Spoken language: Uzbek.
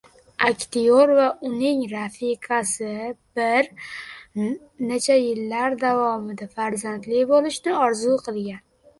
Aktyor va uning rafiqasi bir necha yillar davomida farzandli bo‘lishni orzu qilgan